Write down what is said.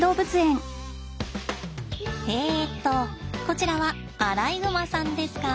こちらはアライグマさんですか？